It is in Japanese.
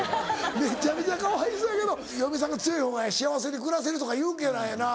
めちゃめちゃかわいそうやけど嫁さんが強いほうが幸せに暮らせるとかいうからやな。